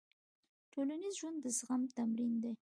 ټولنیز ژوند د زغم تمرین دی.